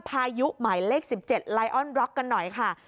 พายุหมายเลข๑๗ไลออนร็อกกันหน่อยค่ะ